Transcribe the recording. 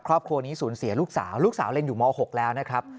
ครอบครัวนี้สูญเสียลูกสาวลูกสาวเรียนอยู่ม๖แล้วนะครับ